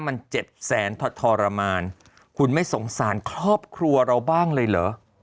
มันเจ็บแสนทรมานคุณไม่สงสารครอบครัวเราบ้างเลยเหรอ